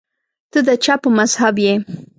ته د چا په مذهب یې